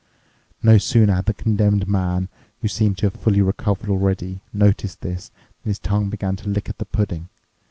No sooner had the Condemned Man, who seemed to have fully recovered already, noticed this than his tongue began to lick at the pudding.